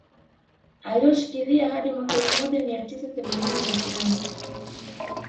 Alioshikilia hadi mwaka elfu moja mia tisa themanini na nane